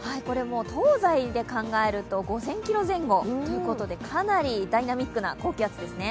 東西で考えると５０００ｋｍ前後ということでかなりダイナミックな高気圧ですね。